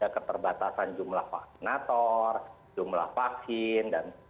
keterbatasan jumlah vaksinator jumlah vaksin